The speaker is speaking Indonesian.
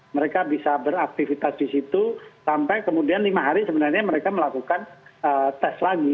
mereka bisa beraktivitas di situ sampai kemudian lima hari sebenarnya mereka melakukan tes lagi